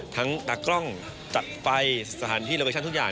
ทั้งตากล้องตากไฟสถานที่โบราชันทุกอย่าง